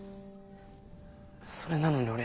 それなのに俺。